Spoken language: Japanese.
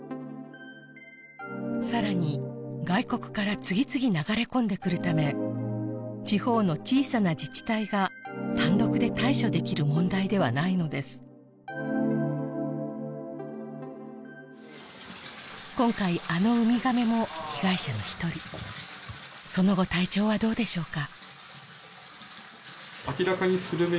さらに外国から次々流れ込んでくるため地方の小さな自治体が単独で対処できる問題ではないのです今回あのウミガメも被害者の１人その後体調はどうでしょうか？